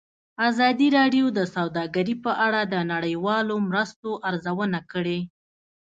ازادي راډیو د سوداګري په اړه د نړیوالو مرستو ارزونه کړې.